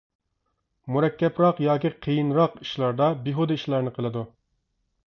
مۇرەككەپرەك ياكى قىيىنراق ئىشلاردا بىھۇدە ئىشلارنى قىلىدۇ.